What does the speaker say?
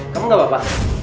kamu gak apa apa